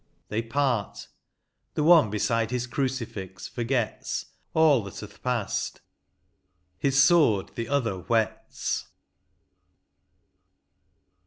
— they part; The one beside his crucifix forgets All that hath past ; his sword the other whets.